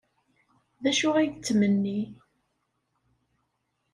D acu ay yettmenni?